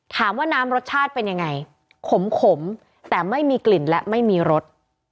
ถามว่าน้ำรสชาติเป็นยังไงขมแต่ไม่มีกลิ่นและไม่มีรส